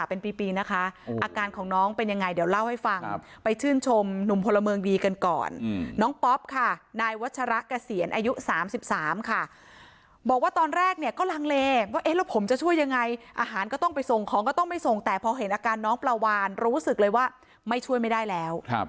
บอกว่าตอนแรกเนี่ยก็ลังเลว่าเอ๊ะแล้วผมจะช่วยยังไงอาหารก็ต้องไปส่งของก็ต้องไปส่งแต่พอเห็นอาการน้องประวานรู้สึกเลยว่าไม่ช่วยไม่ได้แล้ว